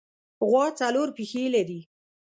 غوا څلور پښې لري.